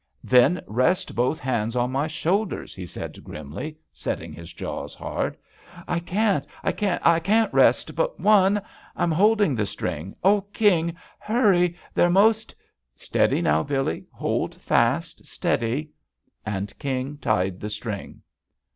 "Then rest both hands on my shoulders !" he said grimly, setting his jaws hard. "I can't — I can't — I can't rest — but one! I'm holding the string! Oh, King! hurry — they're most —" "Steady now, Billee ! Holdfast! Steady!" And King tied the string